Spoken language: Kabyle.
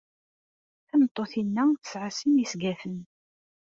Tameṭṭut-inna tesɛa sin yesgaten.